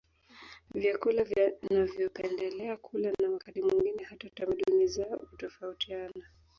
Vyakula wanavyopendelea kula na wakati mwingine hata tamaduni zao utofautiana